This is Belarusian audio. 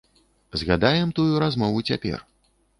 Згадаем тую размову цяпер.